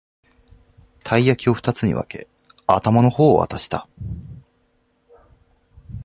たい焼きをふたつに分け、頭の方を渡した